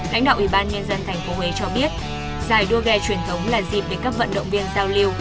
lãnh đạo ủy ban nhân dân tp huế cho biết giải đua ghe truyền thống là dịp để các vận động viên giao lưu